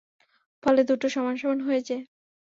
ফলে দুটো সমান সমান হয়ে যায়।